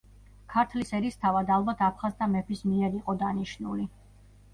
ქართლის ერისთავად ალბათ აფხაზთა მეფის მიერ იყო დანიშნული.